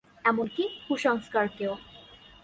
এমনকি কুসংস্কারেও।